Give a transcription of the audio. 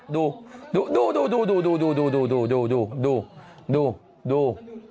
ดูดูดูดู